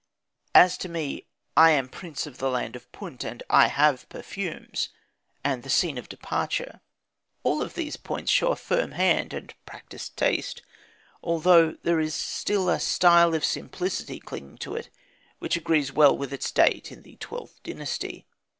"As for me, I am prince of the land of Punt, and I have perfumes" and the scene of departure. All of these points show a firm hand and practised taste, although there is still a style of simplicity clinging to it which agrees well to its date in the XIIth Dynasty.